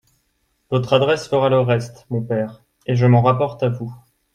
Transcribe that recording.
Votre adresse fera le reste, mon père, et je m’en rapporte à vous…